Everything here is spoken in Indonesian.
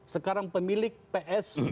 sekarang pemilik ps bantul